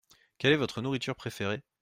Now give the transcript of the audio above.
Quelle est votre nourriture préférée ?